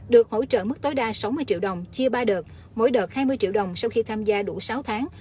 được hỗ trợ mức tối đa sáu mươi triệu đồng chia ba đợt mỗi đợt hai mươi triệu đồng sau khi tham gia đủ sáu tháng